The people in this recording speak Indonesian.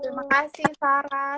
terima kasih sarah